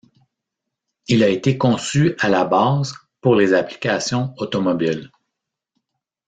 Il a été conçu à la base pour les applications automobiles.